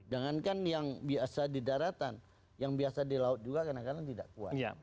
jangankan yang biasa di daratan yang biasa di laut juga kadang kadang tidak kuat